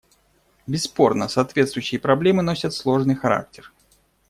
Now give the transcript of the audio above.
Бесспорно, соответствующие проблемы носят сложный характер.